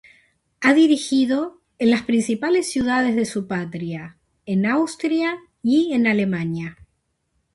Ha dirigido en las principales ciudades de su patria, en Austria y en Alemania.